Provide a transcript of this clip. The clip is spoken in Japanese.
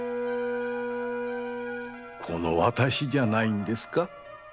この私じゃないんですか？